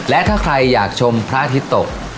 และถ้าใครอยากชมพระอาทิตย์ตก